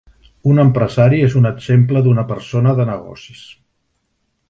Un empresari és un exemple d'una persona de negocis.